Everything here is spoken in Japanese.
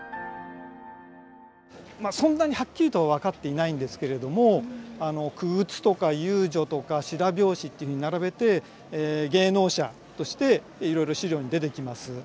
そんなにはっきりとは分かっていないんですけれども傀儡とか遊女とか白拍子っていうふうに並べて芸能者としていろいろ資料に出てきます。